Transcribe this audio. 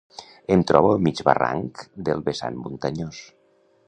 Em trobo a mig barranc del vessant muntanyós